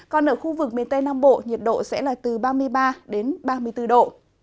còn ở khu vực miền tây nam bộ nhiệt độ sẽ là từ ba mươi ba đến ba mươi bốn độ